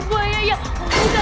apa dia jatuh